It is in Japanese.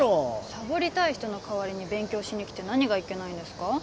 サボりたい人の代わりに勉強しに来て何がいけないんですか？